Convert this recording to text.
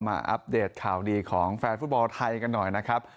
อัปเดตข่าวดีของแฟนฟุตบอลไทยกันหน่อยนะครับ